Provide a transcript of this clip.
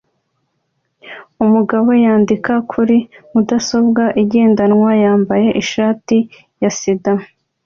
Umugabo yandika kuri mudasobwa ye igendanwa yambaye ishati ya sida